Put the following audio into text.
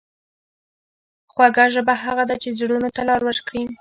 خوږه ژبه هغه ده چې زړونو ته لار وکړي.